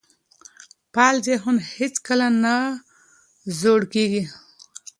فعال ذهن هیڅکله نه زوړ کیږي.